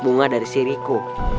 bunga dari siriku